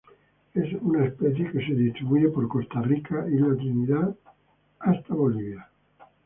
Es una especie que se distribuye por Costa Rica, Isla Trinidad hasta Bolivia.